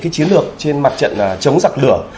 cái chiến lược trên mặt trận chống giặc lửa